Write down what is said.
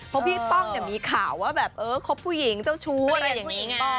เพราะพี่ป้องเนี่ยมีข่าวว่าแบบเออคบผู้หญิงเจ้าชู้อะไรอย่างนี้